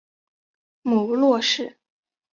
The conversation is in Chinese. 母骆氏。